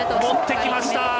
持ってきました！